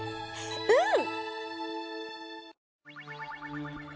うん！